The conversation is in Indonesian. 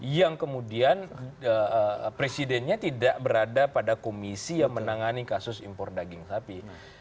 yang kemudian presidennya tidak berada pada komisi yang menangani kasus impor daging sapi